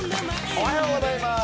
おはようございます。